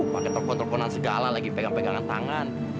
paket toko tokonan segala lagi pegang pegangan tangan